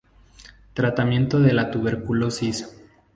Tratamiento de la tuberculosis.